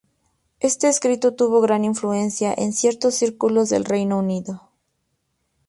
Este escrito tuvo gran influencia en ciertos círculos del Reino Unido.